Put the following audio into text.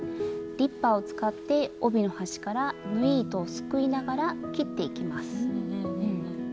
リッパーを使って帯の端から縫い糸をすくいながら切っていきます。